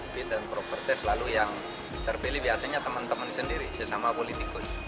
itu adalah properti selalu yang terpilih biasanya teman teman sendiri sesama politikus